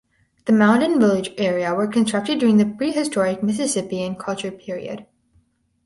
The mound and village area were constructed during the prehistoric Mississippian culture period.